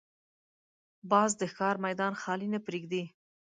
باز د ښکار میدان خالي نه پرېږدي